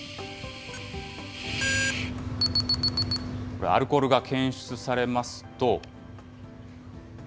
これ、アルコールが検出されますと。